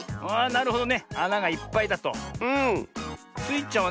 なるほど。